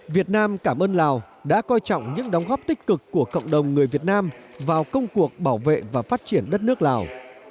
việt nam cảm ơn lào đã coi trọng những đóng góp tích cực của cộng đồng người việt nam vào công cuộc bảo vệ và phát triển đất nước lào